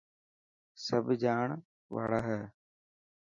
سڀ جاڻ واڙا هي.